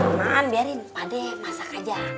berman biarin pakde masak aja